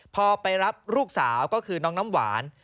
พอไปรับลูกสาวก็คือน้องน้ำหวาน